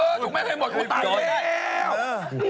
เออถูกแม่งให้หมดเขาตายแล้ว